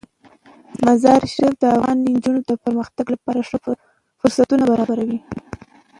مزارشریف د افغان نجونو د پرمختګ لپاره ښه فرصتونه برابروي.